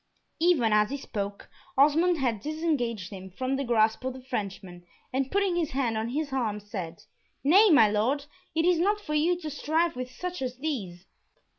Even as he spoke Osmond had disengaged him from the grasp of the Frenchman, and putting his hand on his arm, said, "Nay, my Lord, it is not for you to strive with such as these."